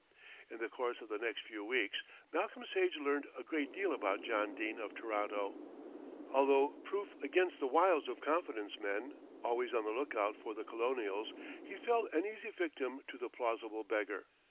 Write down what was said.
In the course of the next few weeks Malcolm Sage learned a great deal about John Dene of Toronto. Although proof against the wiles of confidence men, always on the look out for the colonials, he fell an easy victim to the plausible beggar.